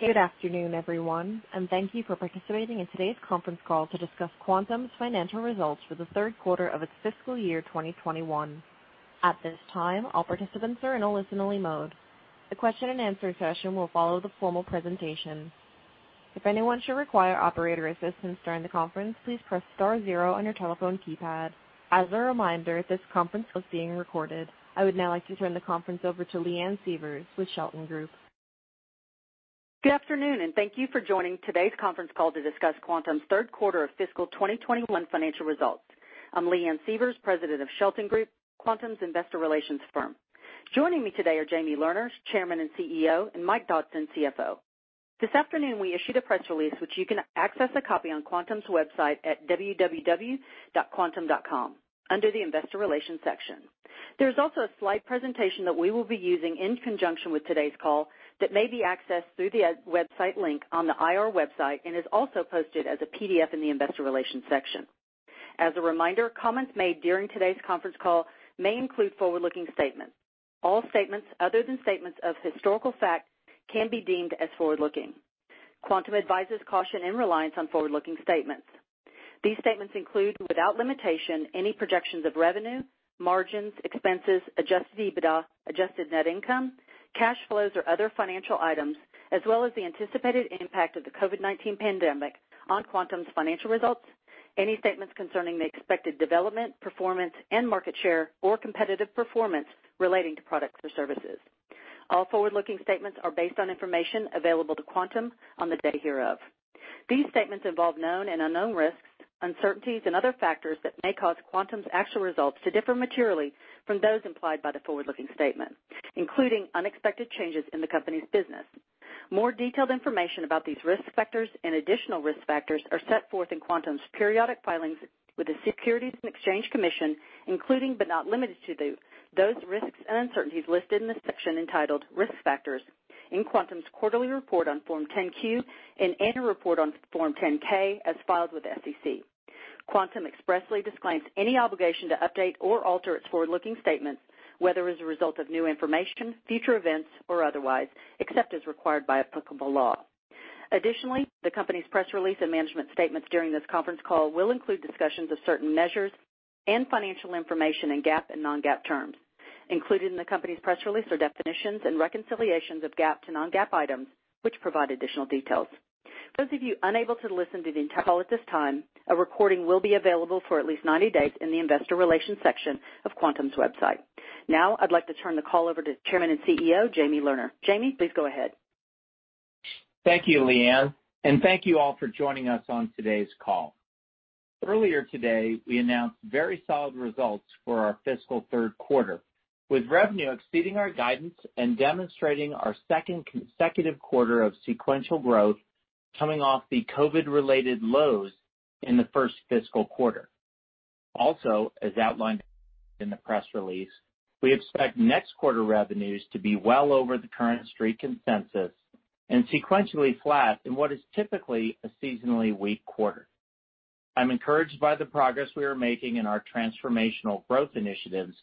Good afternoon, everyone, thank you for participating in today's conference call to discuss Quantum's financial results for the third quarter of its fiscal year 2021. At this time, all participants are in a listen-only mode. The question-and-answer session will follow the formal presentation. If anyone should require operator assistance during the conference, please press star zero on your telephone keypad. As a reminder, this conference is being recorded. I would now like to turn the conference over to Leanne Sievers with Shelton Group. Good afternoon, thank you for joining today's conference call to discuss Quantum's Q3 2021 financial results. I'm Leanne Sievers, President of Shelton Group, Quantum's investor relations firm. Joining me today are Jamie Lerner, Chairman and CEO, and Mike Dodson, CFO. This afternoon, we issued a press release which you can access a copy on Quantum's website at www.quantum.com under the Investor relations section. There's also a slide presentation that we will be using in conjunction with today's call that may be accessed through the website link on the IR website and is also posted as a PDF in the Investor relations section. As a reminder, comments made during today's conference call may include forward-looking statements. All statements other than statements of historical fact can be deemed as forward-looking. Quantum advises caution in reliance on forward-looking statements. These statements include, without limitation, any projections of revenue, margins, expenses, adjusted EBITDA, adjusted net income, cash flows or other financial items, as well as the anticipated impact of the COVID-19 pandemic on Quantum's financial results, any statements concerning the expected development, performance, and market share or competitive performance relating to products or services. All forward-looking statements are based on information available to Quantum on the day hereof. These statements involve known and unknown risks, uncertainties, and other factors that may cause Quantum's actual results to differ materially from those implied by the forward-looking statement, including unexpected changes in the company's business. More detailed information about these risk factors and additional risk factors are set forth in Quantum's periodic filings with the Securities and Exchange Commission, including but not limited to those risks and uncertainties listed in the section entitled Risk Factors in Quantum's quarterly report on Form 10-Q and annual report on Form 10-K as filed with the SEC. Quantum expressly disclaims any obligation to update or alter its forward-looking statements, whether as a result of new information, future events, or otherwise, except as required by applicable law. Additionally, the company's press release and management statements during this conference call will include discussions of certain measures and financial information in GAAP and non-GAAP terms. Included in the company's press release are definitions and reconciliations of GAAP to non-GAAP items, which provide additional details. Those of you unable to listen to the entire call at this time, a recording will be available for at least 90 days in the Investor relations section of Quantum's website. Now, I'd like to turn the call over to Chairman and CEO, Jamie Lerner. Jamie, please go ahead. Thank you, Leanne, and thank you all for joining us on today's call. Earlier today, we announced very solid results for our fiscal third quarter, with revenue exceeding our guidance and demonstrating our second consecutive quarter of sequential growth coming off the COVID-related lows in the first fiscal quarter. Also, as outlined in the press release, we expect next quarter revenues to be well over the current Street consensus and sequentially flat in what is typically a seasonally weak quarter. I'm encouraged by the progress we are making in our transformational growth initiatives,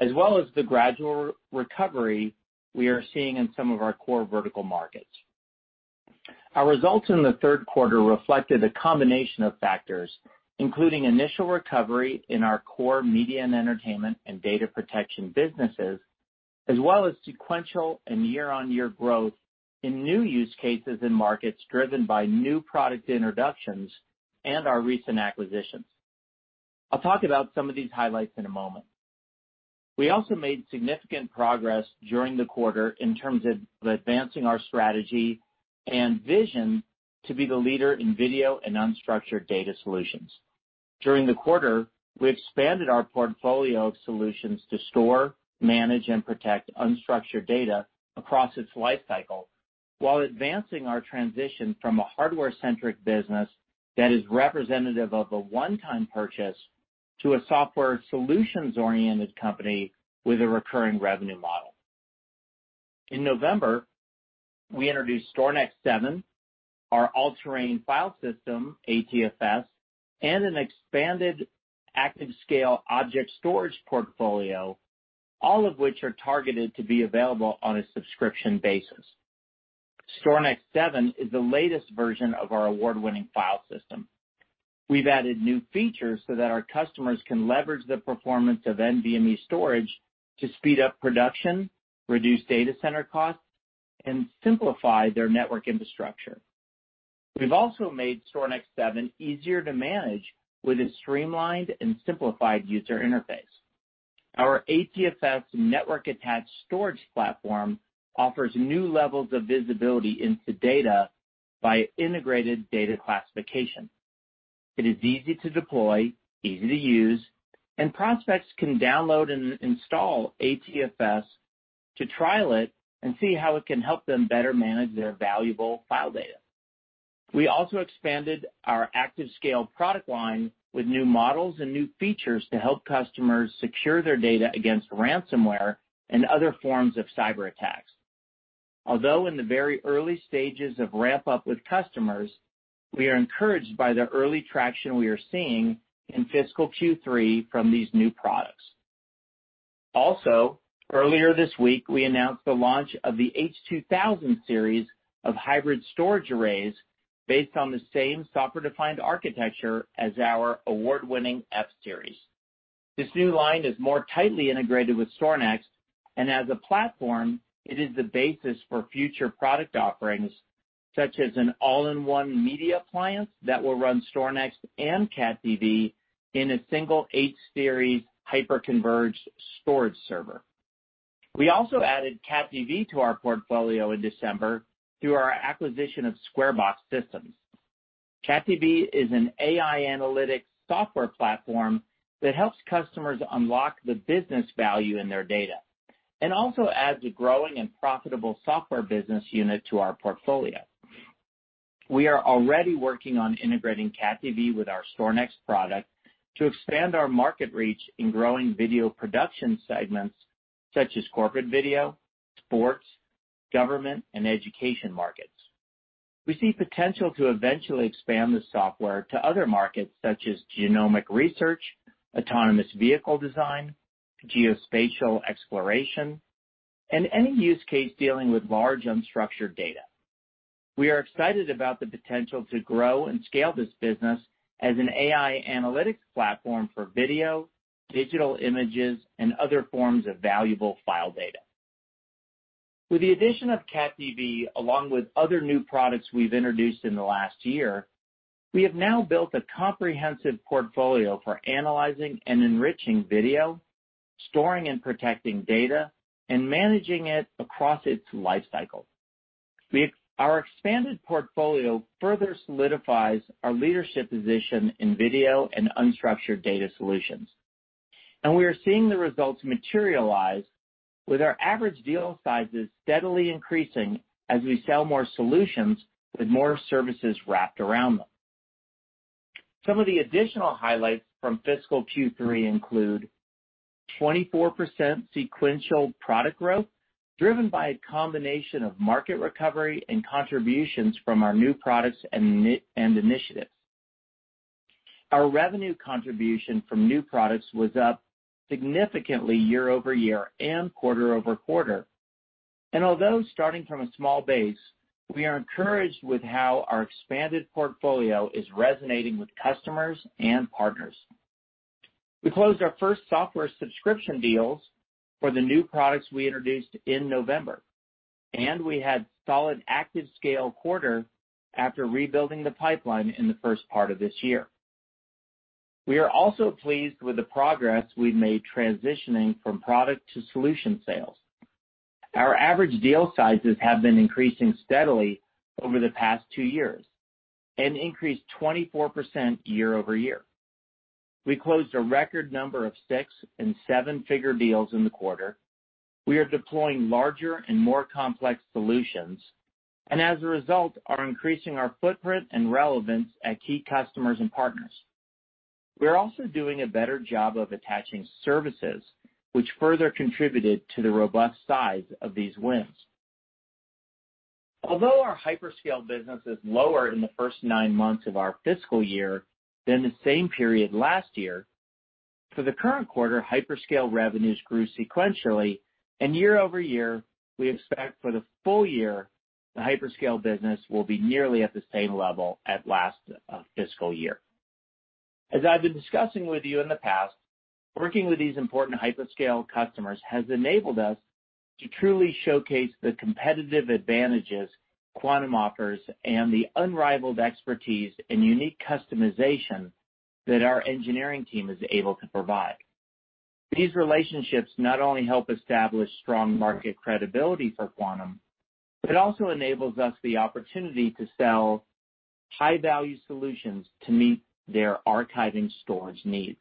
as well as the gradual recovery we are seeing in some of our core vertical markets. Our results in the third quarter reflected a combination of factors, including initial recovery in our core media and entertainment and data protection businesses, as well as sequential and year-on-year growth in new use cases and markets driven by new product introductions and our recent acquisitions. I'll talk about some of these highlights in a moment. We also made significant progress during the quarter in terms of advancing our strategy and vision to be the leader in video and unstructured data solutions. During the quarter, we expanded our portfolio of solutions to store, manage, and protect unstructured data across its life cycle while advancing our transition from a hardware-centric business that is representative of a one-time purchase to a software solutions-oriented company with a recurring revenue model. In November, we introduced StorNext 7, our All-Terrain File System, ATFS, and an expanded ActiveScale object storage portfolio, all of which are targeted to be available on a subscription basis. StorNext 7 is the latest version of our award-winning file system. We've added new features so that our customers can leverage the performance of NVMe storage to speed up production, reduce data center costs, and simplify their network infrastructure. We've also made StorNext 7 easier to manage with its streamlined and simplified user interface. Our ATFS network-attached storage platform offers new levels of visibility into data by integrated data classification. It is easy to deploy, easy to use. Prospects can download and install ATFS to trial it and see how it can help them better manage their valuable file data. We also expanded our ActiveScale product line with new models and new features to help customers secure their data against ransomware and other forms of cyberattacks. Although in the very early stages of ramp-up with customers, we are encouraged by the early traction we are seeing in fiscal Q3 from these new products. Earlier this week, we announced the launch of the H2000 Series of hybrid storage arrays based on the same software-defined architecture as our award-winning F-Series. This new line is more tightly integrated with StorNext, and as a platform, it is the basis for future product offerings such as an all-in-one media appliance that will run StorNext and CatDV in a single H-Series hyperconverged storage server. We also added CatDV to our portfolio in December through our acquisition of Square Box Systems. CatDV is an AI analytics software platform that helps customers unlock the business value in their data and also adds a growing and profitable software business unit to our portfolio. We are already working on integrating CatDV with our StorNext product to expand our market reach in growing video production segments such as corporate video, sports, government, and education markets. We see potential to eventually expand this software to other markets such as genomic research, autonomous vehicle design, geospatial exploration, and any use case dealing with large unstructured data. We are excited about the potential to grow and scale this business as an AI analytics platform for video, digital images, and other forms of valuable file data. With the addition of CatDV, along with other new products we've introduced in the last year, we have now built a comprehensive portfolio for analyzing and enriching video, storing and protecting data, and managing it across its lifecycle. Our expanded portfolio further solidifies our leadership position in video and unstructured data solutions. We are seeing the results materialize with our average deal sizes steadily increasing as we sell more solutions with more services wrapped around them. Some of the additional highlights from fiscal Q3 include 24% sequential product growth, driven by a combination of market recovery and contributions from our new products and initiatives. Our revenue contribution from new products was up significantly year-over-year and quarter-over-quarter. Although starting from a small base, we are encouraged with how our expanded portfolio is resonating with customers and partners. We closed our first software subscription deals for the new products we introduced in November, and we had solid ActiveScale quarter after rebuilding the pipeline in the first part of this year. We are also pleased with the progress we've made transitioning from product to solution sales. Our average deal sizes have been increasing steadily over the past two years and increased 24% year-over-year. We closed a record number of six- and seven-figure deals in the quarter. We are deploying larger and more complex solutions, and as a result, are increasing our footprint and relevance at key customers and partners. We are also doing a better job of attaching services, which further contributed to the robust size of these wins. Although our hyperscale business is lower in the first nine months of our fiscal year than the same period last year, for the current quarter, hyperscale revenues grew sequentially, and year-over-year, we expect for the full year, the hyperscale business will be nearly at the same level at last fiscal year. As I've been discussing with you in the past, working with these important hyperscale customers has enabled us to truly showcase the competitive advantages Quantum offers and the unrivaled expertise and unique customization that our engineering team is able to provide. These relationships not only help establish strong market credibility for Quantum, but also enables us the opportunity to sell high-value solutions to meet their archiving storage needs.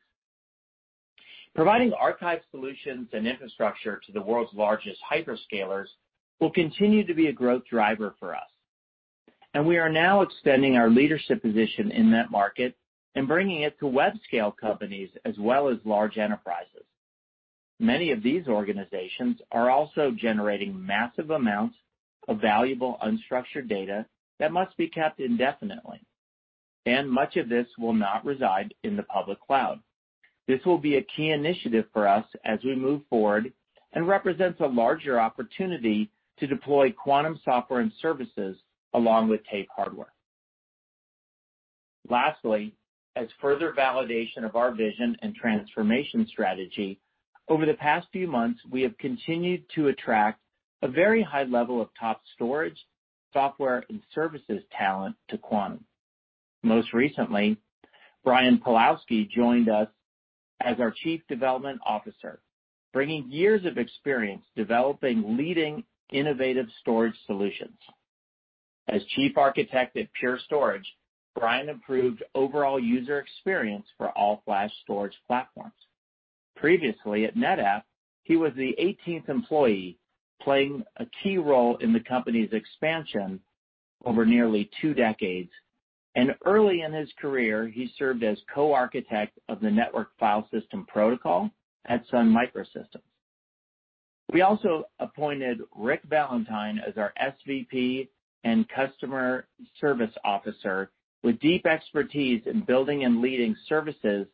Providing archive solutions and infrastructure to the world's largest hyperscalers will continue to be a growth driver for us. We are now extending our leadership position in that market and bringing it to web scale companies as well as large enterprises. Many of these organizations are also generating massive amounts of valuable unstructured data that must be kept indefinitely, and much of this will not reside in the public cloud. This will be a key initiative for us as we move forward and represents a larger opportunity to deploy Quantum software and services along with tape hardware. Lastly, as further validation of our vision and transformation strategy, over the past few months, we have continued to attract a very high level of top storage, software, and services talent to Quantum. Most recently, Brian Pawlowski joined us as our Chief Development Officer, bringing years of experience developing leading innovative storage solutions. As chief architect at Pure Storage, Brian improved overall user experience for all flash storage platforms. Previously at NetApp, he was the 18th employee, playing a key role in the company's expansion over nearly two decades. Early in his career, he served as co-architect of the network file system protocol at Sun Microsystems. We also appointed Rick Valentine as our SVP and Chief Customer Officer with deep expertise in building and leading services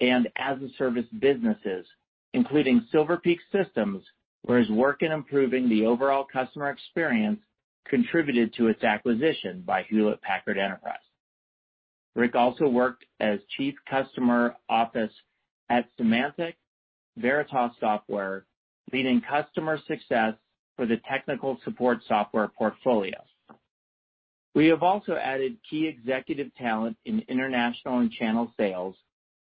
and as-a-service businesses, including Silver Peak Systems, where his work in improving the overall customer experience contributed to its acquisition by Hewlett Packard Enterprise. Rick also worked as Chief Customer Officer at Symantec Veritas Software, leading customer success for the technical support software portfolio. We have also added key executive talent in international and channel sales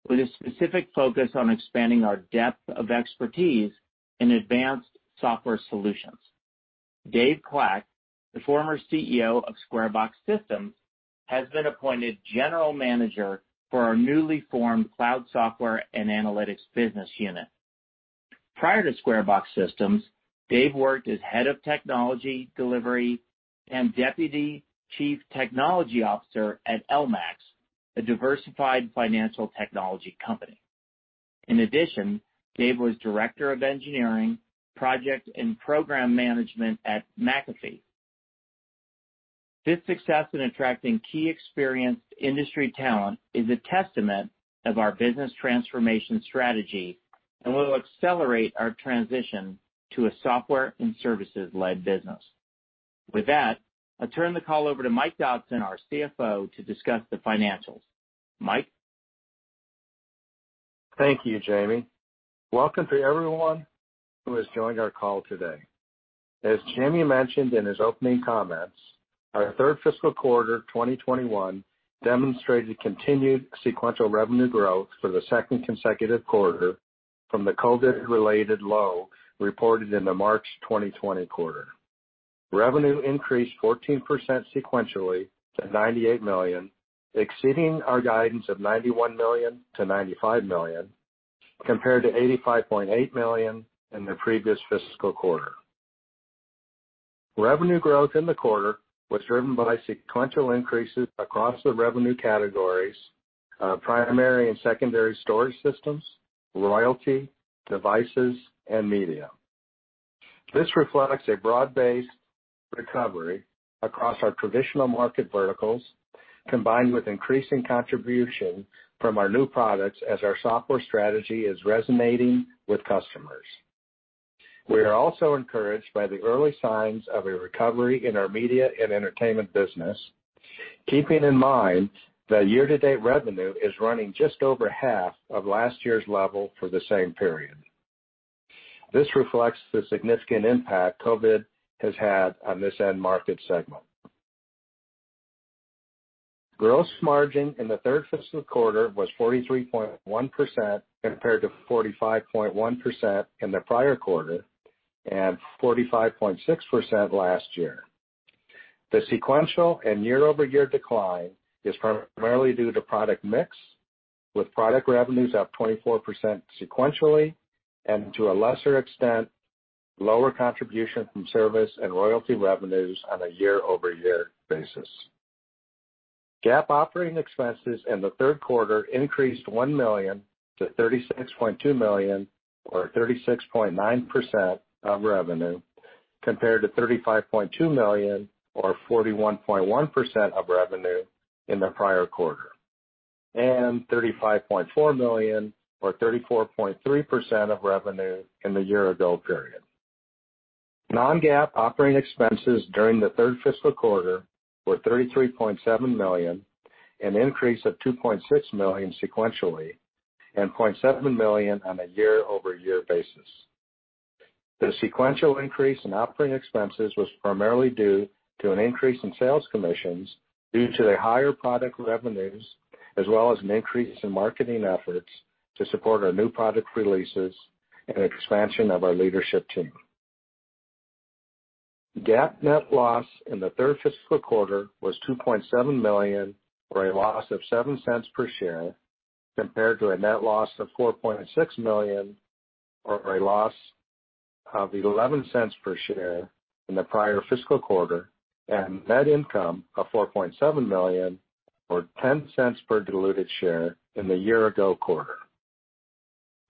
with a specific focus on expanding our depth of expertise in advanced software solutions. Dave Clack, the former CEO of Square Box Systems, has been appointed General Manager for our newly formed Cloud Software and Analytics Business unit. Prior to Square Box Systems, Dave worked as head of technology delivery and deputy chief technology officer at LMAX, a diversified financial technology company. In addition, Dave was Director of Engineering, Project, and Program Management at McAfee. This success in attracting key experienced industry talent is a testament of our business transformation strategy and will accelerate our transition to a software and services-led business. With that, I'll turn the call over to Mike Dodson, our CFO, to discuss the financials. Mike? Thank you, Jamie. Welcome to everyone who has joined our call today. As Jamie mentioned in his opening comments, our third fiscal quarter 2021 demonstrated continued sequential revenue growth for the second consecutive quarter from the COVID-related low reported in the March 2020 quarter. Revenue increased 14% sequentially to $98 million, exceeding our guidance of $91 million-$95 million, compared to $85.8 million in the previous fiscal quarter. Revenue growth in the quarter was driven by sequential increases across the revenue categories, primary and secondary storage systems, royalty, devices, and media. This reflects a broad-based recovery across our traditional market verticals, combined with increasing contribution from our new products as our software strategy is resonating with customers. We are also encouraged by the early signs of a recovery in our media and entertainment business, keeping in mind that year-to-date revenue is running just over half of last year's level for the same period. This reflects the significant impact COVID has had on this end market segment. Gross margin in the third fiscal quarter was 43.1% compared to 45.1% in the prior quarter and 45.6% last year. The sequential and year-over-year decline is primarily due to product mix, with product revenues up 24% sequentially and, to a lesser extent, lower contribution from service and royalty revenues on a year-over-year basis. GAAP operating expenses in the third quarter increased $1 million to $36.2 million or 36.9% of revenue, compared to $35.2 million or 41.1% of revenue in the prior quarter, and $35.4 million or 34.3% of revenue in the year-ago period. Non-GAAP operating expenses during the third fiscal quarter were $33.7 million, an increase of $2.6 million sequentially, and $0.7 million on a year-over-year basis. The sequential increase in operating expenses was primarily due to an increase in sales commissions due to the higher product revenues as well as an increase in marketing efforts to support our new product releases and an expansion of our leadership team. GAAP net loss in the third fiscal quarter was $2.7 million, or a loss of $0.07 per share, compared to a net loss of $4.6 million or a loss of $0.11 per share in the prior fiscal quarter, and net income of $4.7 million or $0.10 per diluted share in the year-ago quarter.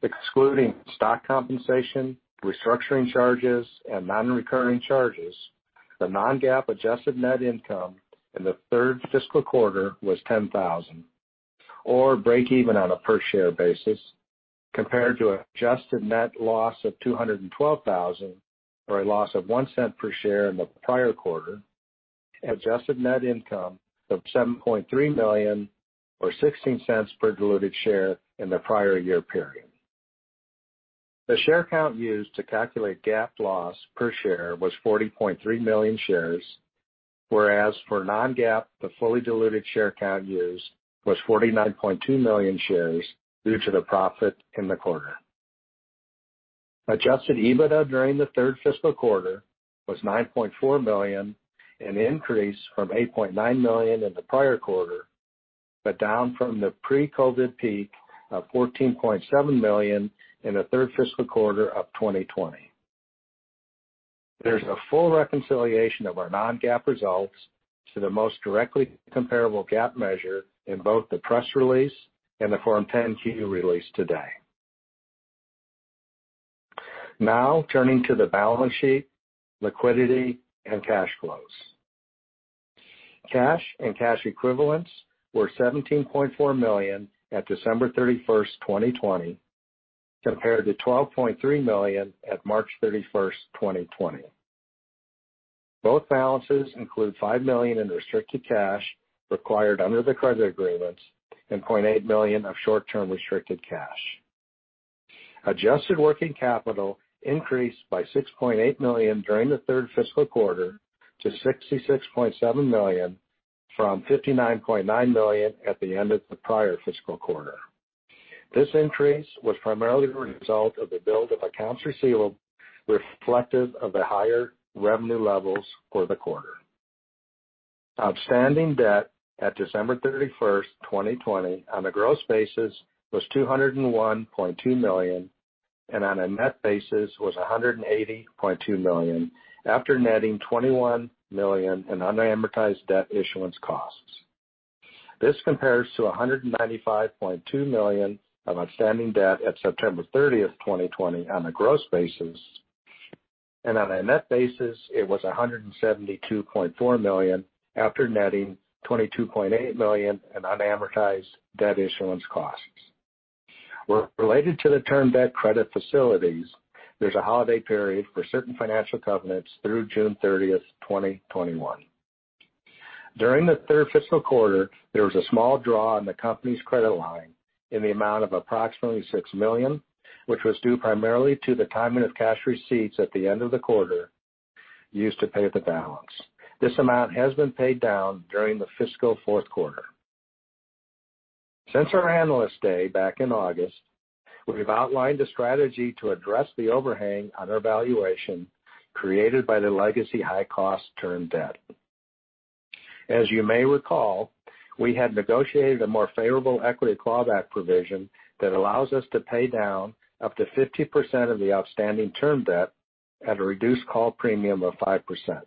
Excluding stock compensation, restructuring charges, and non-recurring charges, the non-GAAP adjusted net income in the third fiscal quarter was $10,000 or breakeven on a per share basis compared to adjusted net loss of $212,000 or a loss of $0.01 per share in the prior quarter, adjusted net income of $7.3 million or $0.16 per diluted share in the prior year period. The share count used to calculate GAAP loss per share was 40.3 million shares, whereas for non-GAAP, the fully diluted share count used was 49.2 million shares due to the profit in the quarter. Adjusted EBITDA during the third fiscal quarter was $9.4 million, an increase from $8.9 million in the prior quarter, but down from the pre-COVID peak of $14.7 million in the third fiscal quarter of 2020. There's a full reconciliation of our non-GAAP results to the most directly comparable GAAP measure in both the press release and the Form 10-Q release today. Now turning to the balance sheet, liquidity, and cash flows. Cash and cash equivalents were $17.4 million at December 31st, 2020, compared to $12.3 million at March 31st, 2020. Both balances include $5 million in restricted cash required under the credit agreements and $0.8 million of short-term restricted cash. Adjusted working capital increased by $6.8 million during the third fiscal quarter to $66.7 million from $59.9 million at the end of the prior fiscal quarter. This increase was primarily the result of the build of accounts receivable reflective of the higher revenue levels for the quarter. Outstanding debt at December 31st, 2020 on a gross basis was $201.2 million, and on a net basis was $180.2 million after netting $21 million in unamortized debt issuance costs. This compares to $195.2 million of outstanding debt at September 30th, 2020 on a gross basis, and on a net basis, it was $172.4 million after netting $22.8 million in unamortized debt issuance costs. Related to the term debt credit facilities, there's a holiday period for certain financial covenants through June 30th, 2021. During the third fiscal quarter, there was a small draw on the company's credit line in the amount of approximately $6 million, which was due primarily to the timing of cash receipts at the end of the quarter used to pay the balance. This amount has been paid down during the fiscal fourth quarter. Since our Analyst Day back in August, we've outlined a strategy to address the overhang on our valuation created by the legacy high-cost term debt. As you may recall, we had negotiated a more favorable equity clawback provision that allows us to pay down up to 50% of the outstanding term debt at a reduced call premium of 5%.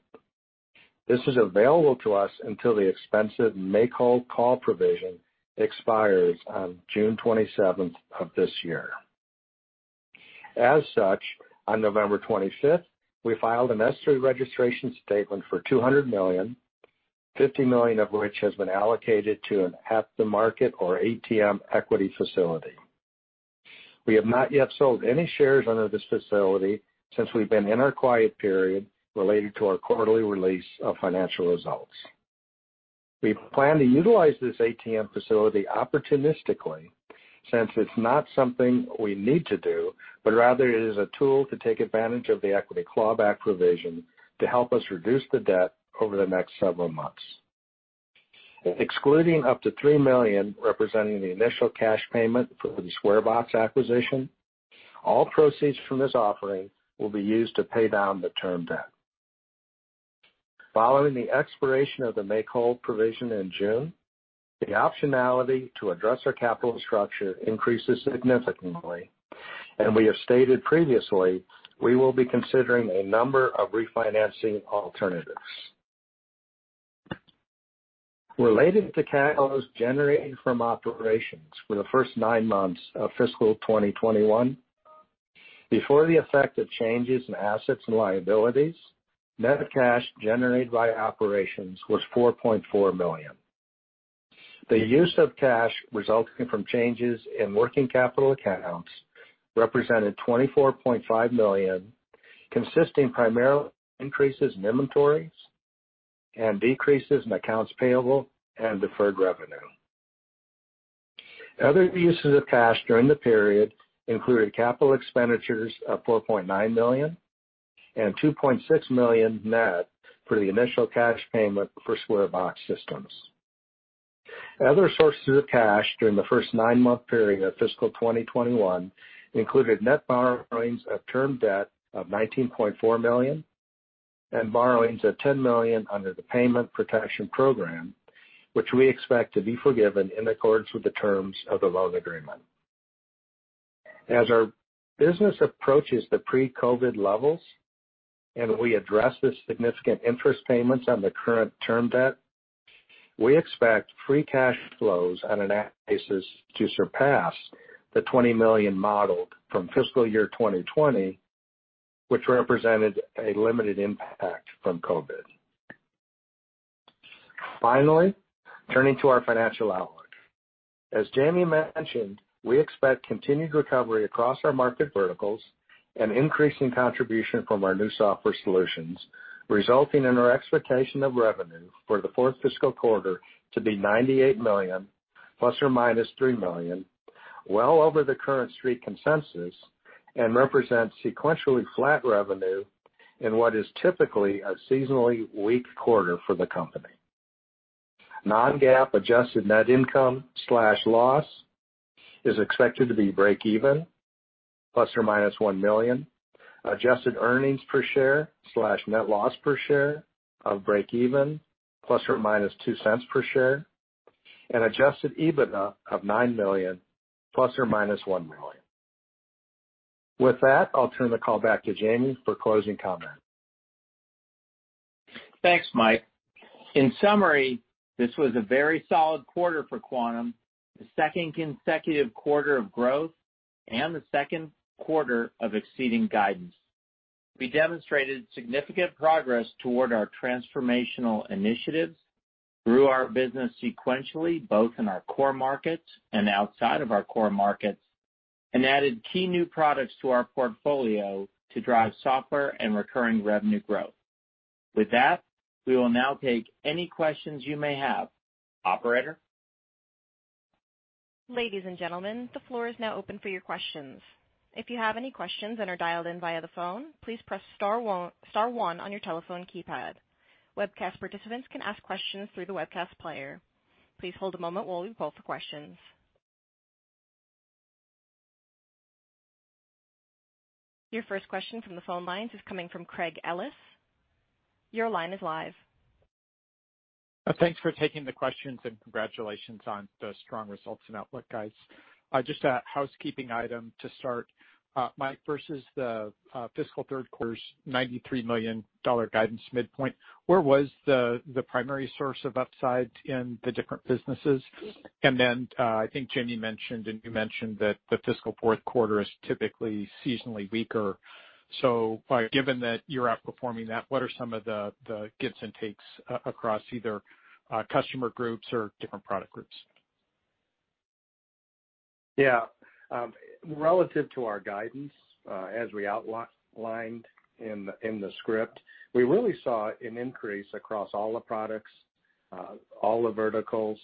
This is available to us until the expensive make-whole call provision expires on June 27th of this year. As such, on November 25th, we filed a necessary registration statement for $200 million, $50 million of which has been allocated to an at-the-market or ATM equity facility. We have not yet sold any shares under this facility since we've been in our quiet period related to our quarterly release of financial results. We plan to utilize this ATM facility opportunistically since it's not something we need to do, but rather it is a tool to take advantage of the equity clawback provision to help us reduce the debt over the next several months. Excluding up to $3 million, representing the initial cash payment for the Square Box acquisition, all proceeds from this offering will be used to pay down the term debt. Following the expiration of the make-whole provision in June, the optionality to address our capital structure increases significantly, and we have stated previously, we will be considering a number of refinancing alternatives. Related to cash flows generated from operations for the first nine months of fiscal 2021, before the effect of changes in assets and liabilities, net cash generated by operations was $4.4 million. The use of cash resulting from changes in working capital accounts represented $24.5 million, consisting primarily of increases in inventories and decreases in accounts payable and deferred revenue. Other uses of cash during the period included capital expenditures of $4.9 million and $2.6 million net for the initial cash payment for Square Box Systems. Other sources of cash during the first nine-month period of fiscal 2021 included net borrowings of term debt of $19.4 million and borrowings of $10 million under the Paycheck Protection Program, which we expect to be forgiven in accordance with the terms of the loan agreement. As our business approaches the pre-COVID-19 levels, and we address the significant interest payments on the current term debt, we expect free cash flows on a net basis to surpass the $20 million modeled from fiscal year 2020, which represented a limited impact from COVID. Finally, turning to our financial outlook. As Jamie mentioned, we expect continued recovery across our market verticals and increasing contribution from our new software solutions, resulting in our expectation of revenue for the fourth fiscal quarter to be $98 million ±$3 million, well over the current Street consensus and represents sequentially flat revenue in what is typically a seasonally weak quarter for the company. Non-GAAP adjusted net income/loss is expected to be breakeven ±$1 million. Adjusted earnings per share/net loss per share of breakeven ±$0.02 per share. Adjusted EBITDA of $9 million ±$1 million. With that, I'll turn the call back to Jamie for closing comments. Thanks, Mike. In summary, this was a very solid quarter for Quantum, the second consecutive quarter of growth and the second quarter of exceeding guidance. We demonstrated significant progress toward our transformational initiatives, grew our business sequentially, both in our core markets and outside of our core markets, and added key new products to our portfolio to drive software and recurring revenue growth. With that, we will now take any questions you may have. Operator? Ladies and gentlemen, the floor is now open for your questions. If you have any questions and are dialed-in via the phone, please press star one on your telephone keypad. Webcast participants can ask questions through the webcast player. Please hold a moment while we pull for questions. Your first question from the phone lines is coming from Craig Ellis. Your line is live. Thanks for taking the questions. Congratulations on the strong results and outlook, guys. Just a housekeeping item to start. Mike, versus the fiscal third quarter's $93 million guidance midpoint, where was the primary source of upside in the different businesses? I think Jamie mentioned, and you mentioned that the fiscal fourth quarter is typically seasonally weaker. Given that you're outperforming that, what are some of the gives and takes across either customer groups or different product groups? Yeah. Relative to our guidance, as we outlined in the script, we really saw an increase across all the products, all the verticals.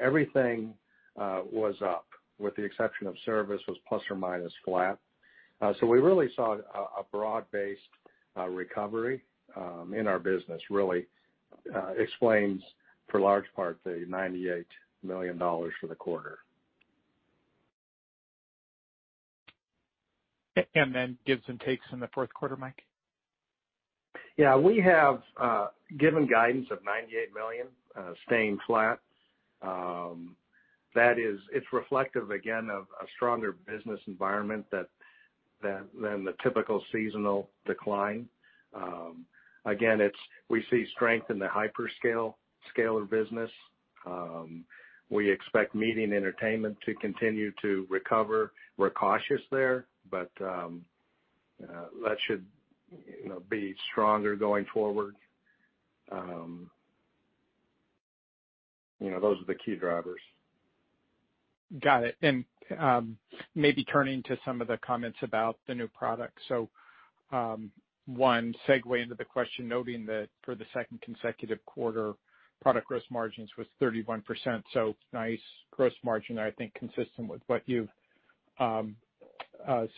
Everything was up, with the exception of service was plus or minus flat. We really saw a broad-based recovery in our business really explains, for large part, the $98 million for the quarter. Gives and takes in the fourth quarter, Mike? Yeah, we have given guidance of $98 million, staying flat. It's reflective, again, of a stronger business environment than the typical seasonal decline. Again, we see strength in the hyperscaler business. We expect media and entertainment to continue to recover. We're cautious there, but that should be stronger going forward. Those are the key drivers. Got it. Maybe turning to some of the comments about the new product. One segue into the question, noting that for the second consecutive quarter, product gross margins was 31%. Nice gross margin, I think consistent with what you've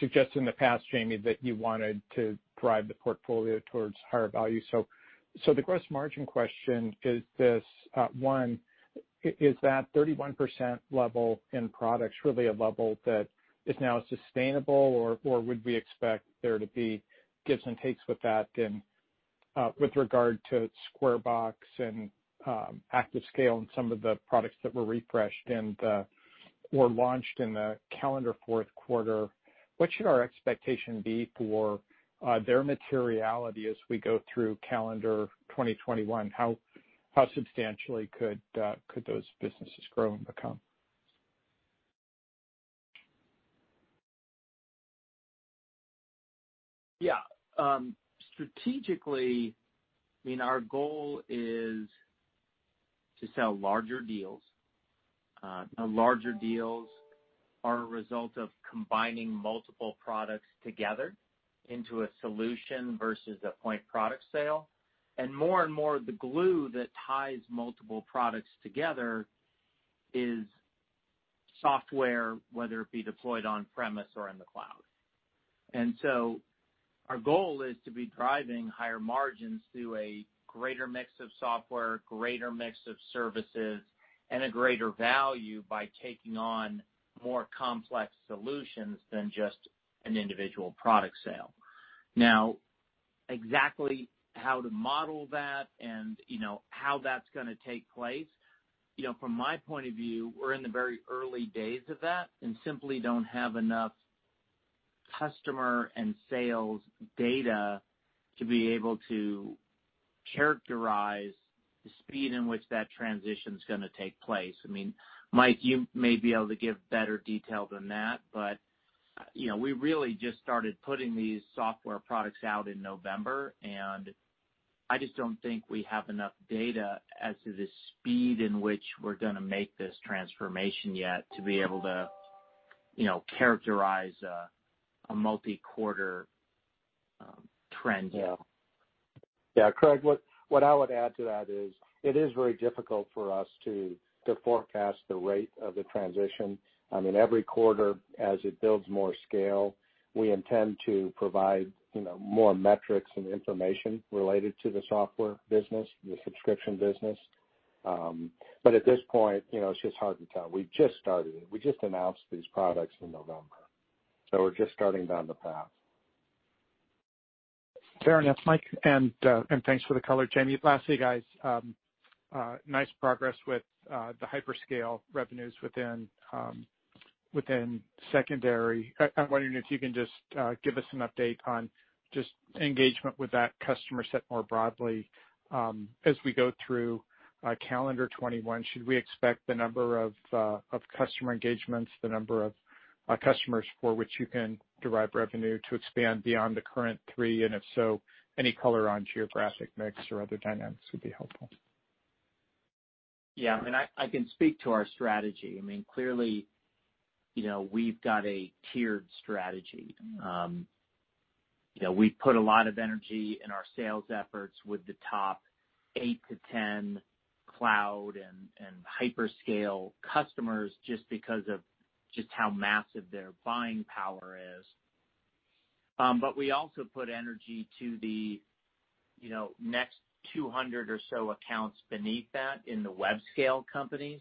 suggested in the past, Jamie, that you wanted to drive the portfolio towards higher value. The gross margin question is this, one, is that 31% level in products really a level that is now sustainable, or would we expect there to be gives and takes with that? With regard to Square Box and ActiveScale and some of the products that were refreshed and were launched in the calendar fourth quarter, what should our expectation be for their materiality as we go through calendar 2021? How substantially could those businesses grow and become? Yeah. Strategically, our goal is to sell larger deals. Larger deals are a result of combining multiple products together into a solution versus a point product sale. More and more, the glue that ties multiple products together is software, whether it be deployed on-premise or in the cloud. Our goal is to be driving higher margins through a greater mix of software, greater mix of services, and a greater value by taking on more complex solutions than just an individual product sale. Now, exactly how to model that and how that's gonna take place, from my point of view, we're in the very early days of that and simply don't have enough customer and sales data to be able to characterize the speed in which that transition's gonna take place. Mike, you may be able to give better detail than that, but we really just started putting these software products out in November, and I just don't think we have enough data as to the speed in which we're gonna make this transformation yet to be able to characterize a multi-quarter trend here. Yeah. Craig, what I would add to that is, it is very difficult for us to forecast the rate of the transition. Every quarter, as it builds more scale, we intend to provide more metrics and information related to the software business, the subscription business. At this point, it's just hard to tell. We've just started. We just announced these products in November, we're just starting down the path. Fair enough, Mike. Thanks for the color, Jamie. Guys, nice progress with the hyperscale revenues within secondary. I'm wondering if you can just give us an update on just engagement with that customer set more broadly. As we go through calendar 2021, should we expect the number of customer engagements, the number of customers for which you can derive revenue to expand beyond the current three? If so, any color on geographic mix or other dynamics would be helpful. Yeah. I can speak to our strategy. Clearly, we've got a tiered strategy. We put a lot of energy in our sales efforts with the top eight to 10 cloud and hyperscale customers just because of just how massive their buying power is. We also put energy to the next 200 or so accounts beneath that in the web scale companies.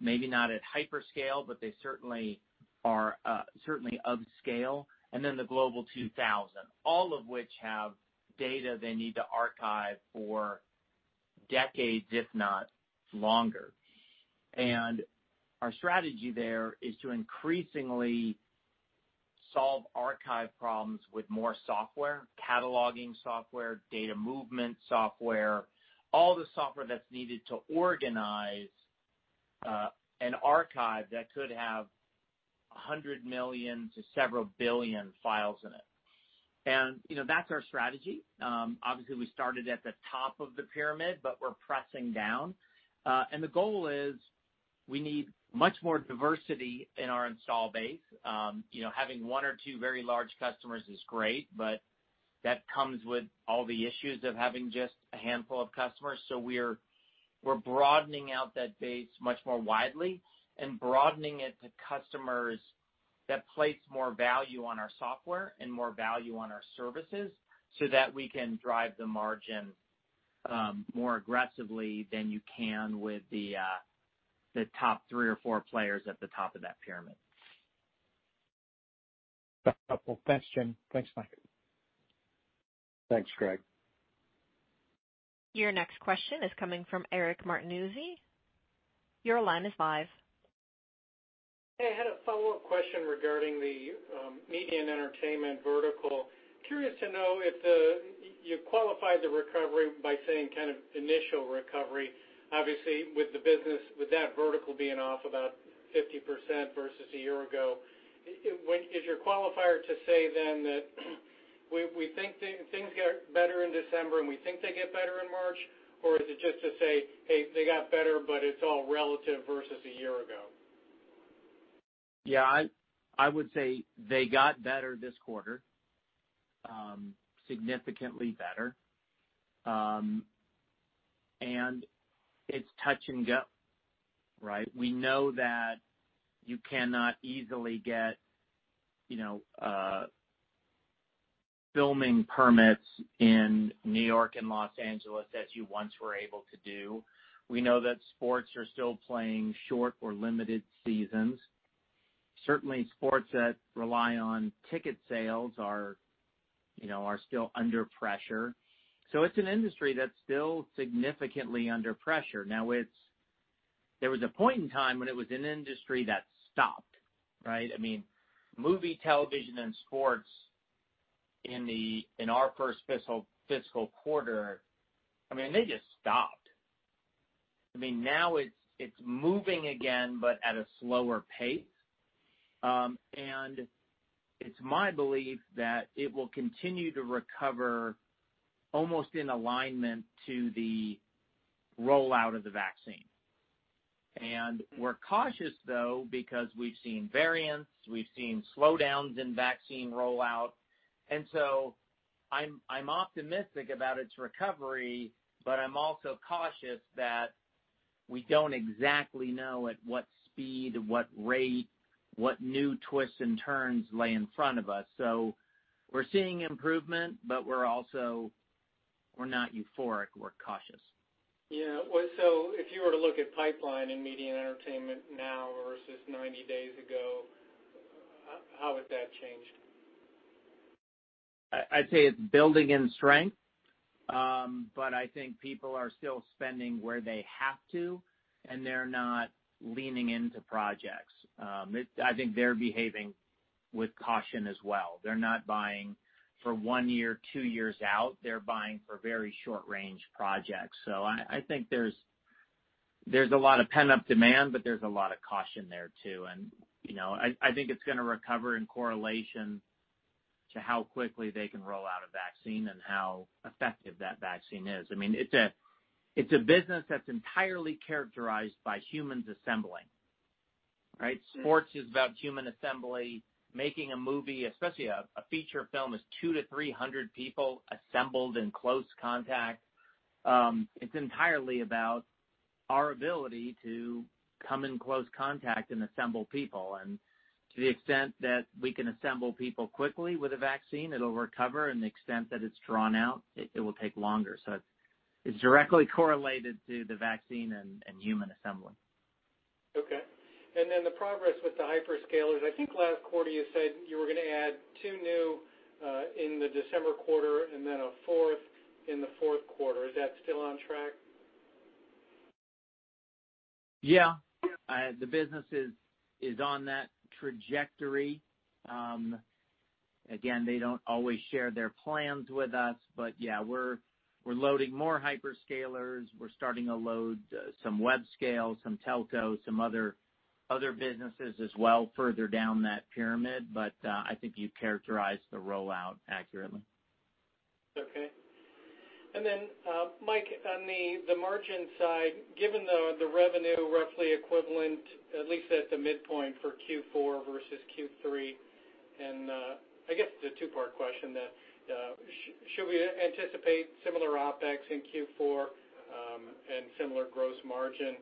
Maybe not at hyperscale, but they certainly are of scale. The Global 2000. All of which have data they need to archive for decades, if not longer. Our strategy there is to increasingly solve archive problems with more software, cataloging software, data movement software, all the software that's needed to organize an archive that could have 100 million to several billion files in it. That's our strategy. Obviously, we started at the top of the pyramid, but we're pressing down. The goal is we need much more diversity in our install base. Having one or two very large customers is great, but that comes with all the issues of having just a handful of customers. We're broadening out that base much more widely and broadening it to customers that place more value on our software and more value on our services so that we can drive the margin more aggressively than you can with the top three or four players at the top of that pyramid. That's helpful. Thanks, Jamie. Thanks, Mike. Thanks, Craig. Your next question is coming from Eric Martinuzzi. Your line is live. Hey. I had a follow-up question regarding the media and entertainment vertical. Curious to know if you qualify the recovery by saying initial recovery, obviously, with the business, with that vertical being off about 50% versus a year ago. Is your qualifier to say then that we think things get better in December, and we think they get better in March? Or is it just to say, hey, they got better, but it's all relative versus a year ago? Yeah. I would say they got better this quarter, significantly better. It's touch and go, right? We know that you cannot easily get filming permits in New York and Los Angeles as you once were able to do. We know that sports are still playing short or limited seasons. Certainly, sports that rely on ticket sales are still under pressure. It's an industry that's still significantly under pressure. Now, there was a point in time when it was an industry that stopped, right? Movie, television, and sports in our first fiscal quarter, they just stopped. Now it's moving again, but at a slower pace. It's my belief that it will continue to recover almost in alignment to the rollout of the vaccine. We're cautious, though, because we've seen variants, we've seen slowdowns in vaccine rollout. I'm optimistic about its recovery, but I'm also cautious that we don't exactly know at what speed, what rate, what new twists and turns lay in front of us. We're seeing improvement, but we're not euphoric. We're cautious. Yeah. If you were to look at pipeline in media and entertainment now versus 90 days ago, how has that changed? I'd say it's building in strength, but I think people are still spending where they have to, and they're not leaning into projects. I think they're behaving with caution as well. They're not buying for one year, two years out. They're buying for very short-range projects. I think there's a lot of pent-up demand, but there's a lot of caution there, too. I think it's going to recover in correlation to how quickly they can roll out a vaccine and how effective that vaccine is. It's a business that's entirely characterized by humans assembling, right? Sports is about human assembly. Making a movie, especially a feature film, is two to 300 people assembled in close contact. It's entirely about our ability to come in close contact and assemble people. To the extent that we can assemble people quickly with a vaccine, it'll recover. In the extent that it's drawn out, it will take longer. It's directly correlated to the vaccine and human assembly. Okay. The progress with the hyperscalers, I think last quarter you said you were going to add two new in the December quarter and then a fourth in the fourth quarter. Is that still on track? Yeah. The business is on that trajectory. Again, they don't always share their plans with us, but yeah, we're loading more hyperscalers. We're starting to load some web scale, some telco, some other businesses as well further down that pyramid. I think you characterized the rollout accurately. Okay. Then, Mike, on the margin side, given the revenue roughly equivalent, at least at the midpoint for Q4 versus Q3, I guess it's a two-part question then. Should we anticipate similar OpEx in Q4 and similar gross margin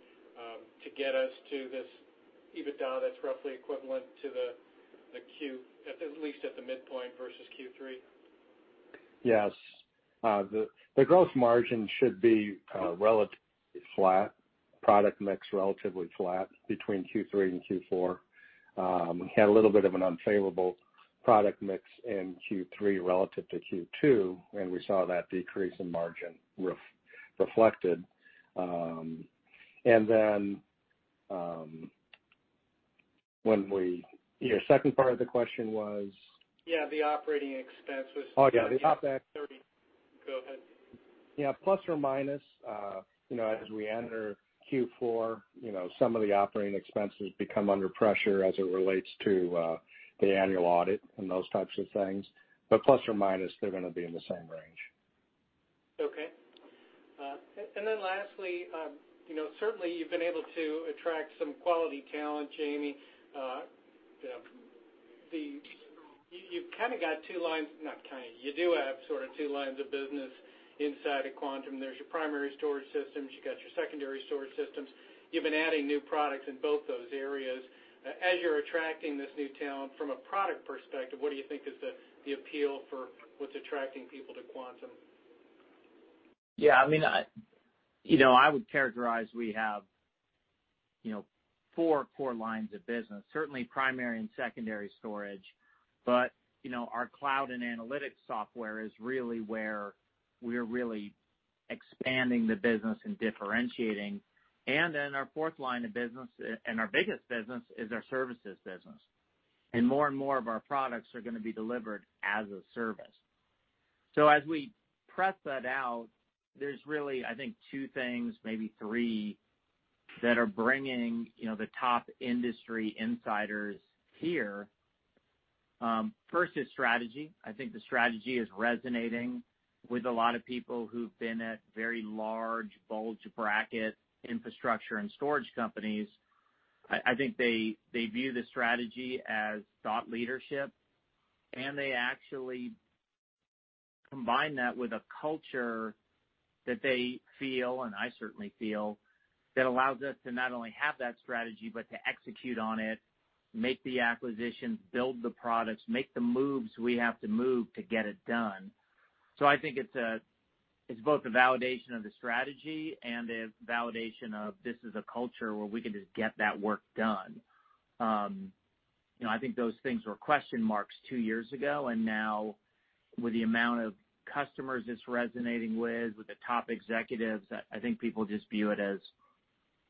to get us to this EBITDA that's roughly equivalent at least at the midpoint versus Q3? Yes. The gross margin should be relatively flat, product mix relatively flat between Q3 and Q4. We had a little bit of an unfavorable product mix in Q3 relative to Q2, and we saw that decrease in margin reflected. Your second part of the question was? Yeah, the operating expense was. Oh, yeah, the OpEx. Go ahead. Yeah. Plus or minus, as we enter Q4, some of the operating expenses become under pressure as it relates to the annual audit and those types of things. Plus or minus, they're going to be in the same range. Okay. Lastly, certainly you've been able to attract some quality talent, Jamie. You do have sort of two lines of business inside of Quantum. There's your primary storage systems. You've got your secondary storage systems. You've been adding new products in both those areas. As you're attracting this new talent from a product perspective, what do you think is the appeal for what's attracting people to Quantum? Yeah. I would characterize we have four core lines of business, certainly primary and secondary storage. Our cloud and analytics software is really where we're really expanding the business and differentiating. Our fourth line of business and our biggest business is our services business. More and more of our products are going to be delivered as a service. As we press that out, there's really, I think, two things, maybe three, that are bringing the top industry insiders here. First is strategy. I think the strategy is resonating with a lot of people who've been at very large bulge bracket infrastructure and storage companies. I think they view the strategy as thought leadership, and they actually combine that with a culture that they feel, and I certainly feel, that allows us to not only have that strategy, but to execute on it, make the acquisitions, build the products, make the moves we have to move to get it done. I think it's both a validation of the strategy and a validation of this is a culture where we can just get that work done. I think those things were question marks two years ago, and now with the amount of customers it's resonating with the top executives, I think people just view it as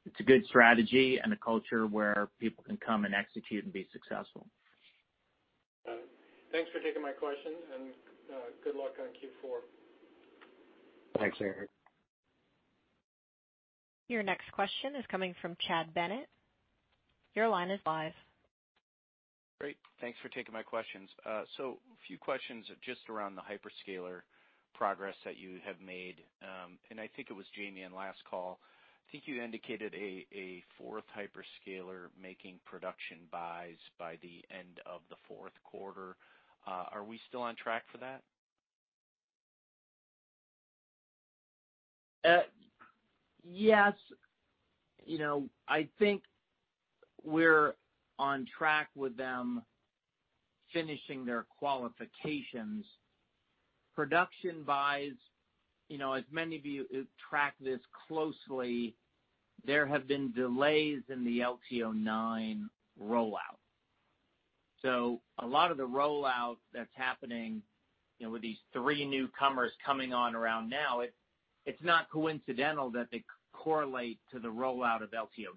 it's a good strategy and a culture where people can come and execute and be successful. Thanks for taking my questions, and good luck on Q4. Thanks, Eric. Your next question is coming from Chad Bennett. Your line is live. Great. Thanks for taking my questions. A few questions just around the hyperscaler progress that you have made. I think it was Jamie on last call, you indicated a fourth hyperscaler making production buys by the end of the fourth quarter. Are we still on track for that? Yes. I think we're on track with them finishing their qualifications. Production buys, as many of you who track this closely, there have been delays in the LTO-9 rollout. A lot of the rollout that's happening with these three newcomers coming on around now, it's not coincidental that they correlate to the rollout of LTO-9.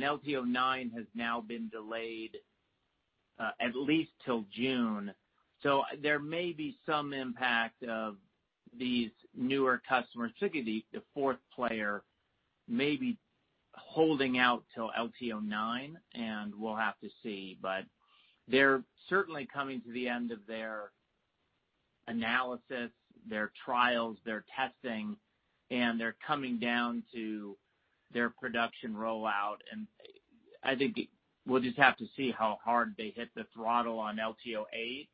LTO-9 has now been delayed at least till June. There may be some impact of these newer customers, particularly the fourth player may be holding out till LTO-9, and we'll have to see. They're certainly coming to the end of their analysis, their trials, their testing, and they're coming down to their production rollout. I think we'll just have to see how hard they hit the throttle on LTO-8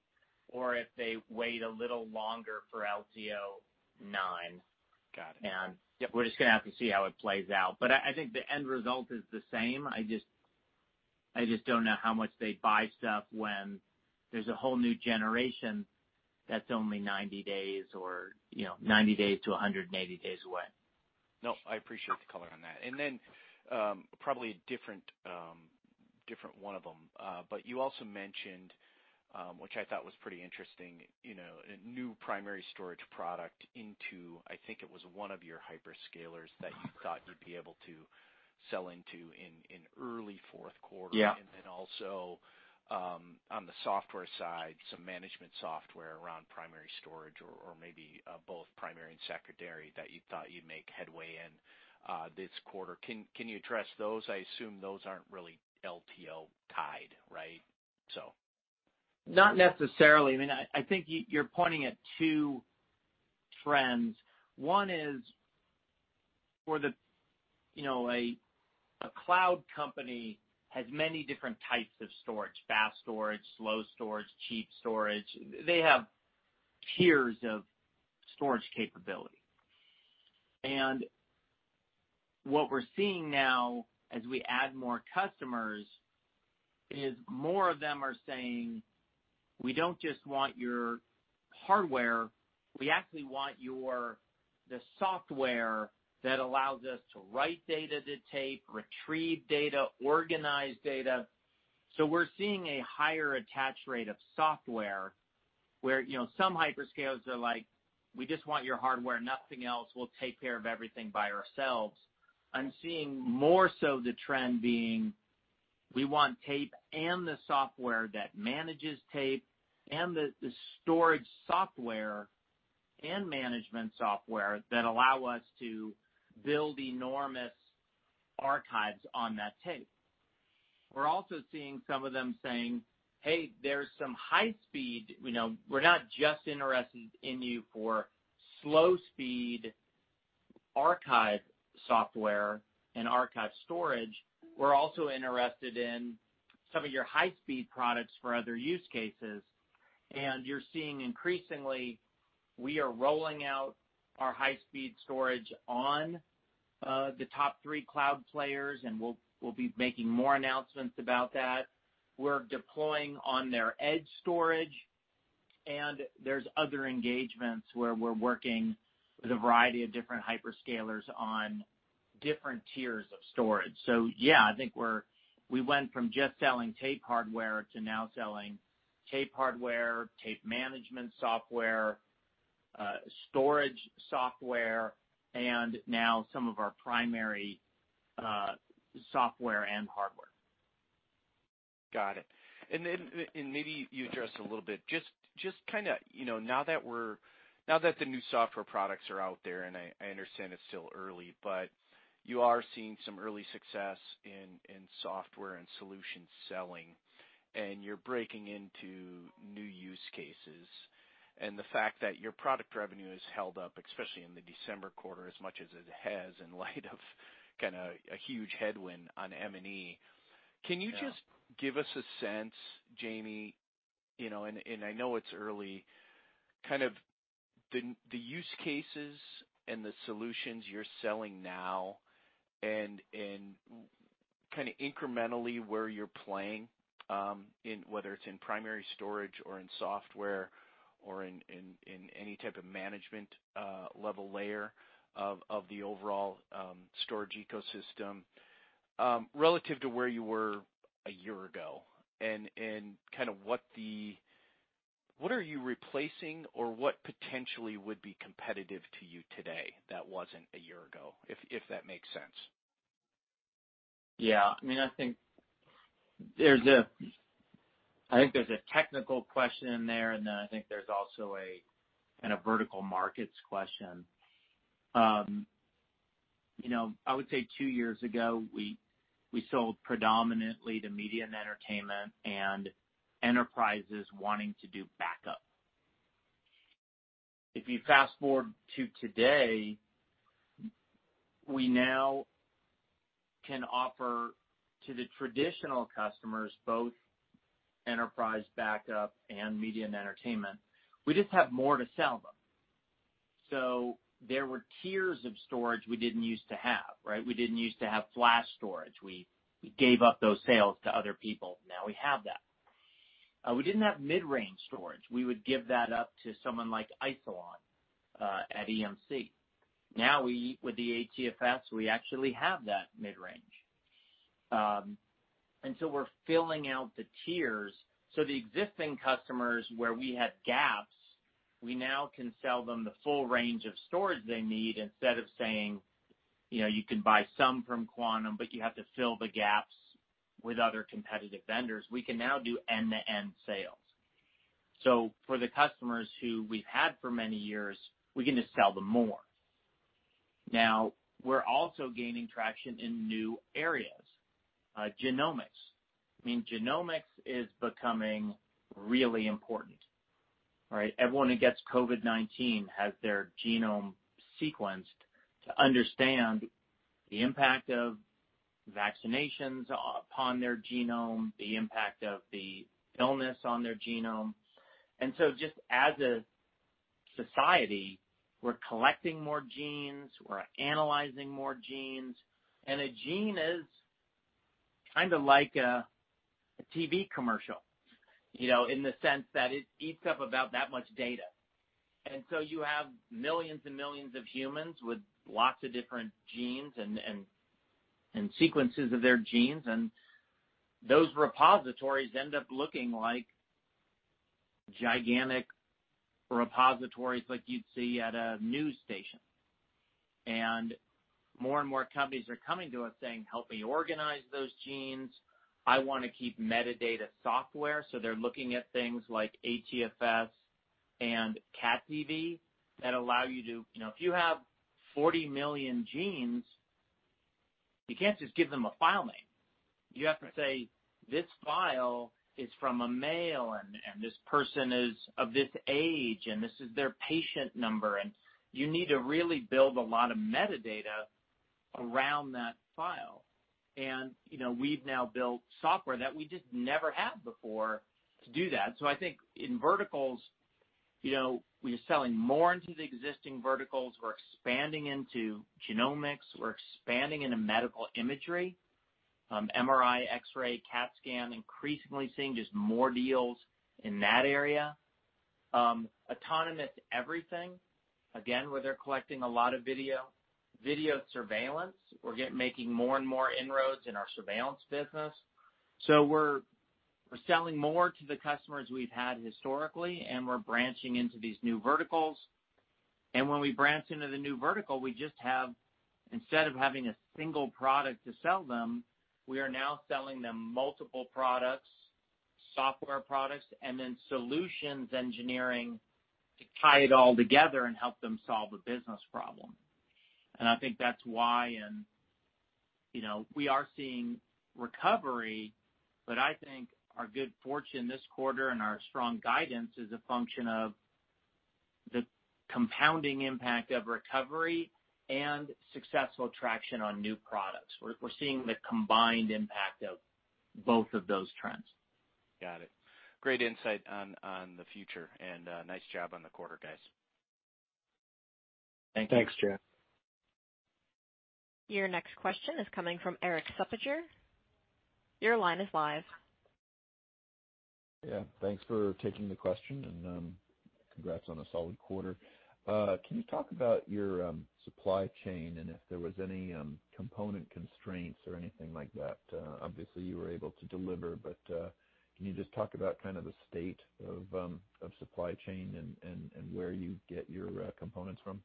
or if they wait a little longer for LTO-9. Got it. We're just going to have to see how it plays out. I think the end result is the same. I just don't know how much they'd buy stuff when there's a whole new generation that's only 90 days or 90 days to 180 days away. No, I appreciate the color on that. Probably a different one of them, but you also mentioned, which I thought was pretty interesting, a new primary storage product into, I think it was one of your hyperscalers that you thought you'd be able to sell into in early fourth quarter. Yeah. Also, on the software side, some management software around primary storage or maybe both primary and secondary that you thought you'd make headway in this quarter. Can you address those? I assume those aren't really LTO tied, right? Not necessarily. I think you're pointing at two trends. One is for the a cloud company has many different types of storage, fast storage, slow storage, cheap storage. They have tiers of storage capability. What we're seeing now as we add more customers is more of them are saying, we don't just want your hardware. We actually want the software that allows us to write data to tape, retrieve data, organize data. We're seeing a higher attach rate of software where some hyperscalers are like, we just want your hardware, nothing else. We'll take care of everything by ourselves. I'm seeing more so the trend being, we want tape and the software that manages tape and the storage software and management software that allow us to build enormous archives on that tape. We're also seeing some of them saying, hey, there's some high speed. We're not just interested in you for slow speed archive software and archive storage. We're also interested in some of your high-speed products for other use cases. You're seeing increasingly, we are rolling out our high-speed storage on the top three cloud players, and we'll be making more announcements about that. We're deploying on their edge storage, and there's other engagements where we're working with a variety of different hyperscalers on different tiers of storage. Yeah, I think we went from just selling tape hardware to now selling tape hardware, tape management software, storage software, and now some of our primary software and hardware. Got it. Maybe you address a little bit, just now that the new software products are out there, and I understand it's still early, but you are seeing some early success in software and solution selling, and you're breaking into new use cases. The fact that your product revenue has held up, especially in the December quarter, as much as it has in light of kind of a huge headwind on M&E. Yeah. Can you just give us a sense, Jamie, and I know it's early, kind of the use cases and the solutions you're selling now and kind of incrementally where you're playing, whether it's in primary storage or in software or in any type of management level layer of the overall storage ecosystem, relative to where you were a year ago. What are you replacing or what potentially would be competitive to you today that wasn't a year ago, if that makes sense? Yeah. I think there's a technical question in there, and then I think there's also a kind of vertical markets question. I would say two years ago, we sold predominantly to media and entertainment and enterprises wanting to do backup. If you fast-forward to today, we now can offer to the traditional customers, both enterprise backup and media and entertainment. We just have more to sell them. There were tiers of storage we didn't use to have, right? We didn't use to have flash storage. We gave up those sales to other people. Now we have that. We didn't have mid-range storage. We would give that up to someone like Isilon at EMC. Now with the ATFS, we actually have that mid-range. We're filling out the tiers. The existing customers where we had gaps, we now can sell them the full range of storage they need instead of saying, you can buy some from Quantum, but you have to fill the gaps with other competitive vendors. We can now do end-to-end sales. For the customers who we've had for many years, we can just sell them more. We're also gaining traction in new areas. Genomics. Genomics is becoming really important, right? Everyone who gets COVID-19 has their genome sequenced to understand the impact of vaccinations upon their genome, the impact of the illness on their genome. Just as a society, we're collecting more genes, we're analyzing more genes, and a gene is kind of like a TV commercial, in the sense that it eats up about that much data. You have millions and millions of humans with lots of different genes and sequences of their genes, and those repositories end up looking like gigantic repositories like you'd see at a news station. More and more companies are coming to us saying help me organize those genes. I want to keep metadata software. They're looking at things like ATFS and CatDV that allow you. If you have 40 million genes, you can't just give them a file name. You have to say, this file is from a male, and this person is of this age, and this is their patient number. You need to really build a lot of metadata around that file. We've now built software that we just never had before to do that. I think in verticals, we are selling more into the existing verticals. We're expanding into genomics. We're expanding into medical imagery, MRI, X-ray, CAT scan, increasingly seeing just more deals in that area. Autonomous everything, again, where they're collecting a lot of video. Video surveillance. We're making more and more inroads in our surveillance business. We're selling more to the customers we've had historically, and we're branching into these new verticals. When we branch into the new vertical, instead of having a single product to sell them, we are now selling them multiple products, software products, and then solutions engineering to tie it all together and help them solve a business problem. I think that's why, and we are seeing recovery, I think our good fortune this quarter and our strong guidance is a function of the compounding impact of recovery and successful traction on new products. We're seeing the combined impact of both of those trends. Got it. Great insight on the future and nice job on the quarter, guys. Thank you. Thanks, Chad. Your next question is coming from Eric Suppiger. Your line is live. Yeah. Thanks for taking the question. Congrats on a solid quarter. Can you talk about your supply chain and if there was any component constraints or anything like that? Obviously, you were able to deliver. Can you just talk about kind of the state of supply chain and where you get your components from?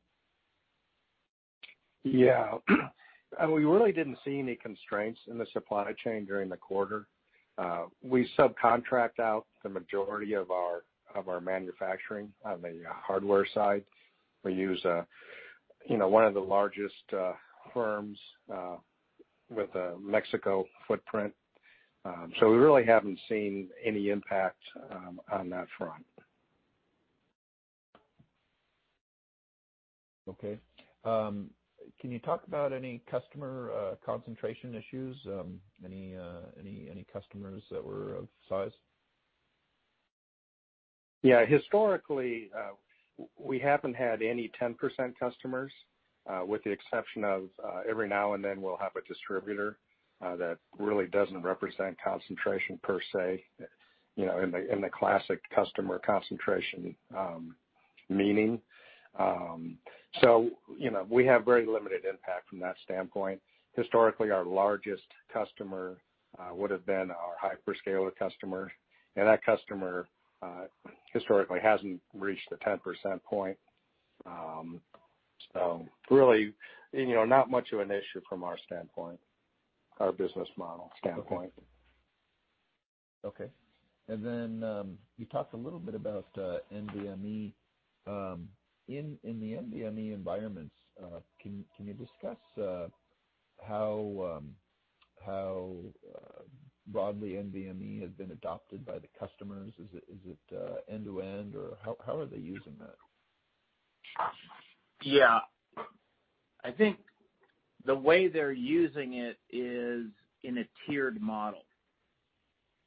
Yeah. We really didn't see any constraints in the supply chain during the quarter. We subcontract out the majority of our manufacturing on the hardware side. We use one of the largest firms with a Mexico footprint. We really haven't seen any impact on that front. Okay. Can you talk about any customer concentration issues? Any customers that were of size? Yeah. Historically, we haven't had any 10% customers, with the exception of every now and then we'll have a distributor. That really doesn't represent concentration per se, in the classic customer concentration meaning. We have very limited impact from that standpoint. Historically, our largest customer would've been our hyperscaler customer, and that customer historically hasn't reached the 10% point. Really, not much of an issue from our standpoint, our business model standpoint. Okay. You talked a little bit about NVMe. In the NVMe environments, can you discuss how broadly NVMe has been adopted by the customers? Is it end-to-end, or how are they using that? I think the way they're using it is in a tiered model,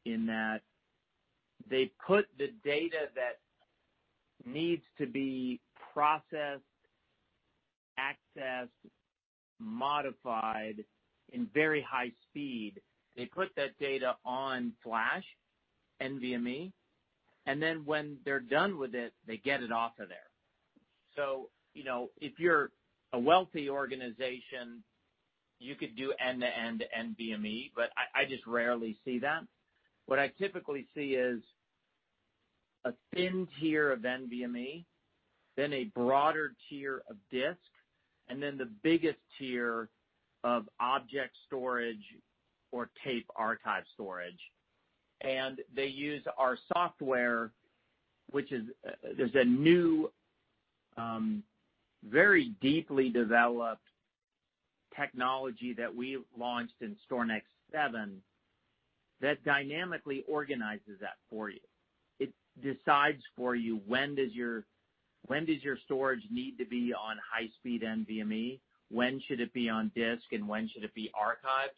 in that they put the data that needs to be processed, accessed, modified in very high speed. They put that data on flash NVMe, and then when they're done with it, they get it off of there. If you're a wealthy organization, you could do end-to-end NVMe, but I just rarely see that. What I typically see is a thin-tiered of NVMe, then a broader tier of disk, and then the biggest tier of object storage or tape archive storage. They use our software, which is a new, very deeply developed technology that we launched in StorNext 7 that dynamically organizes that for you. It decides for you, when does your storage need to be on high-speed NVMe? When should it be on disk, and when should it be archived?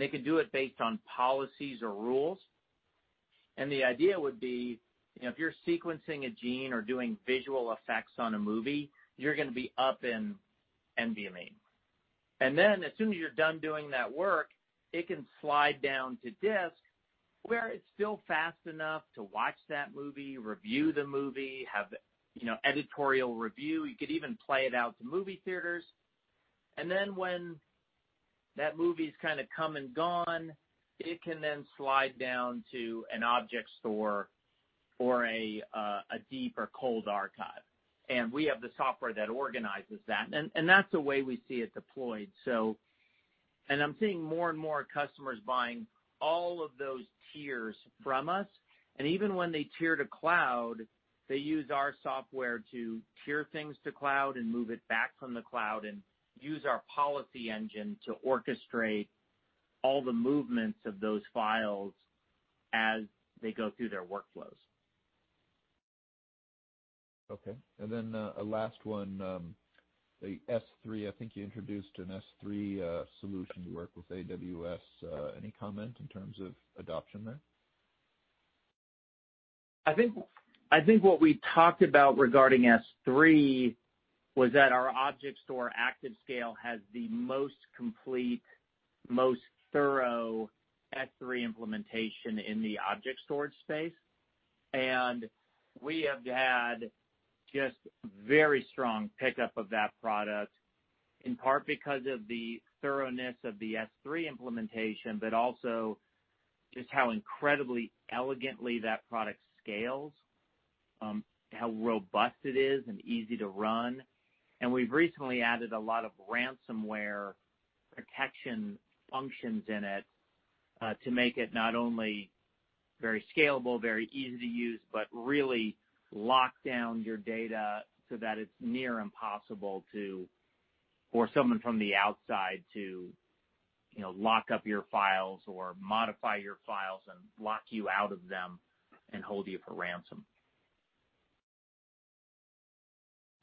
It can do it based on policies or rules. The idea would be, if you're sequencing a gene or doing visual effects on a movie, you're going to be up in NVMe. Then as soon as you're done doing that work, it can slide down to disk, where it's still fast enough to watch that movie, review the movie, have editorial review. You could even play it out to movie theaters. Then when that movie's kind of come and gone, it can then slide down to an object store or a deeper cold archive. We have the software that organizes that, and that's the way we see it deployed. I'm seeing more and more customers buying all of those tiers from us. Even when they tier to cloud, they use our software to tier things to cloud and move it back from the cloud and use our policy engine to orchestrate all the movements of those files as they go through their workflows. Okay, a last one. The S3, I think you introduced an S3 solution to work with AWS. Any comment in terms of adoption there? I think what we talked about regarding S3 was that our object store, ActiveScale, has the most complete, most thorough S3 implementation in the object storage space. We have had just very strong pickup of that product, in part because of the thoroughness of the S3 implementation, but also just how incredibly elegantly that product scales, how robust it is, and easy to run. We've recently added a lot of ransomware protection functions in it to make it not only very scalable, very easy to use, but really lock down your data so that it's near impossible for someone from the outside to lock up your files or modify your files and lock you out of them and hold you for ransom.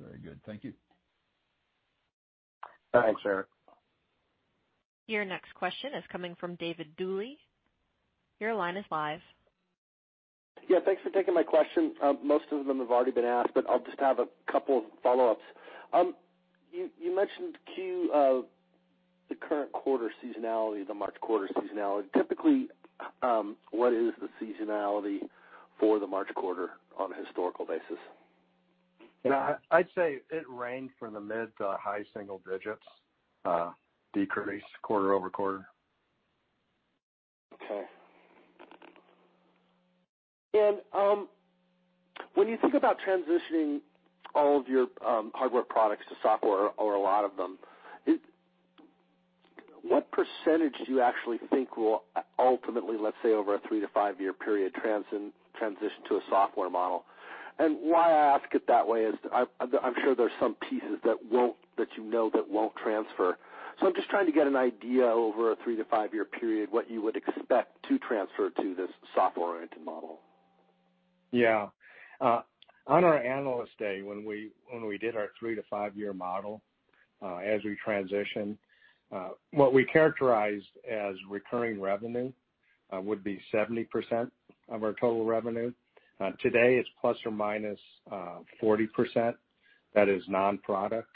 Very good. Thank you. Thanks, Eric. Your next question is coming from David Duley. Your line is live. Yeah, thanks for taking my question. Most of them have already been asked, I'll just have a couple of follow-ups. You mentioned the current quarter seasonality, the March quarter seasonality. Typically, what is the seasonality for the March quarter on a historical basis? I'd say it ranged from the mid- to high-single digits decrease quarter-over-quarter. Okay. When you think about transitioning all of your hardware products to software or a lot of them, what percentage do you actually think will ultimately, let's say, over a three to five year period, transition to a software model? Why I ask it that way is I'm sure there's some pieces that you know that won't transfer. I'm just trying to get an idea over a three to five year period, what you would expect to transfer to this software-oriented model. Yeah. On our Analyst Day, when we did our three to five year model, as we transition, what we characterized as recurring revenue would be 70% of our total revenue. Today, it's ±40%. That is non-product.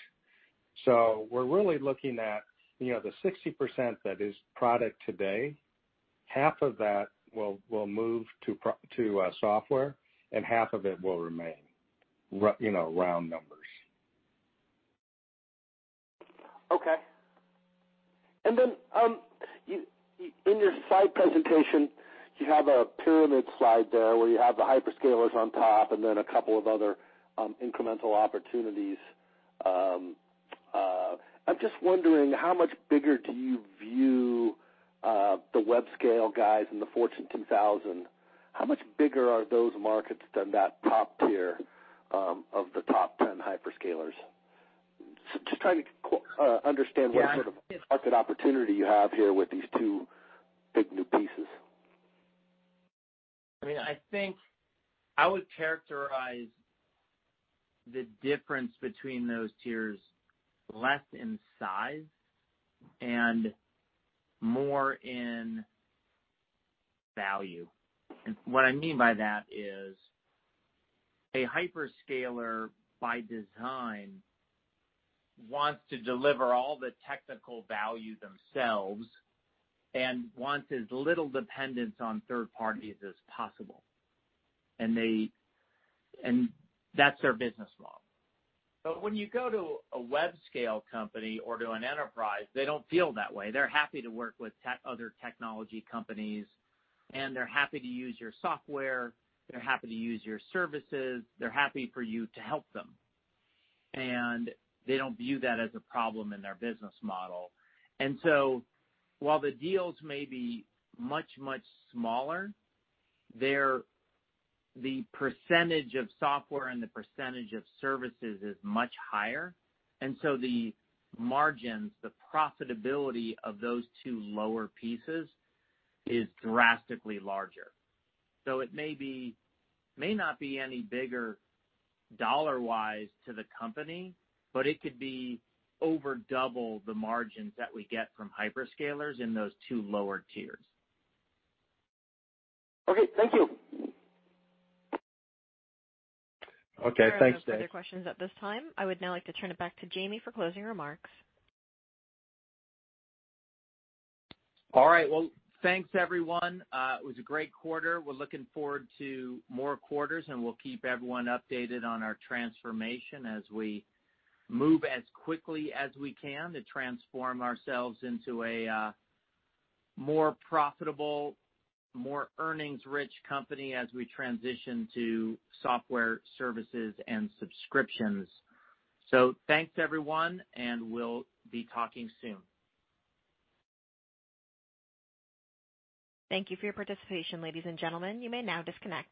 We're really looking at the 60% that is product today. Half of that will move to software, and half of it will remain. Round numbers. Okay. In your slide presentation, you have a pyramid slide there where you have the hyperscalers on top and then a couple of other incremental opportunities. I'm just wondering, how much bigger do you view the web scale guys in the Fortune 1000? How much bigger are those markets than that top tier of the top 10 hyperscalers? Just trying to understand what sort of market opportunity you have here with these two big new pieces. I think I would characterize the difference between those tiers less in size and more in value. What I mean by that is a hyperscaler, by design, wants to deliver all the technical value themselves and wants as little dependence on third parties as possible. That's their business model. When you go to a web-scale company or to an enterprise, they don't feel that way. They're happy to work with other technology companies, and they're happy to use your software. They're happy to use your services. They're happy for you to help them. They don't view that as a problem in their business model. While the deals may be much, much smaller, the percentage of software and the percentage of services is much higher, so the margins, the profitability of those two lower pieces is drastically larger. It may not be any bigger dollar-wise to the company, but it could be over double the margins that we get from hyperscalers in those two lower tiers. Okay, thank you. Okay. Thanks, Dave. There are no further questions at this time. I would now like to turn it back to Jamie for closing remarks. All right. Well, thanks everyone. It was a great quarter. We're looking forward to more quarters, we'll keep everyone updated on our transformation as we move as quickly as we can to transform ourselves into a more profitable, more earnings-rich company as we transition to software services and subscriptions. Thanks, everyone, and we'll be talking soon. Thank you for your participation, ladies and gentlemen. You may now disconnect.